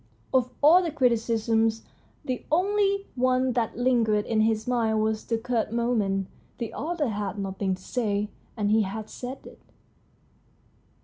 Of all the criticisms, the only one that lingered in his mind was the curt comment, " The author had nothing to say, and he has said it."